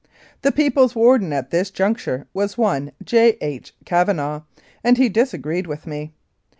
The people's warden at this juncture was one J. H. Cavanah, and he disagreed with me.